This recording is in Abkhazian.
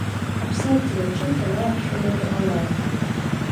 Ҳаԥсадгьыл аҿы дара аԥшәыманы иҟаларц.